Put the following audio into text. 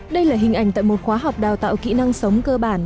đây là hình ảnh tại một khóa học đào tạo kỹ năng sống cơ bản